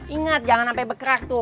ingat jangan sampai bekeras tuh